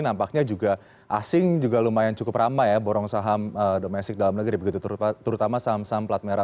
nampaknya juga asing juga lumayan cukup ramai ya borong saham domestik dalam negeri begitu terutama saham saham plat merah